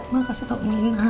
makasih tau mina